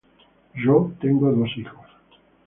Yo tengo dos hijos.